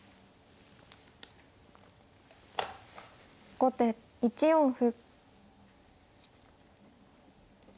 後手１四歩。